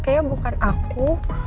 kayaknya bukan aku